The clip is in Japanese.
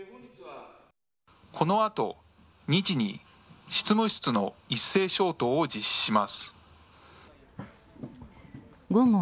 このあと、２時に執務室の一斉消灯を実施します。